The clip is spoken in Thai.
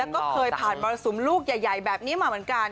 ก็เคยผ่านมรสุมลูกใหญ่แบบนี้มาเหมือนกัน